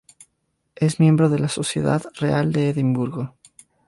Es miembro de la Sociedad Real de Edimburgo.